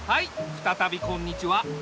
ふたたびこんにちは。